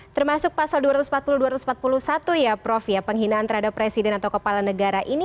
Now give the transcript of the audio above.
termasuk pasal dua ratus empat puluh dua ratus empat puluh satu ya prof ya penghinaan terhadap presiden atau kepala negara ini